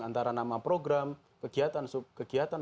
antara nama program kegiatan subkegiatan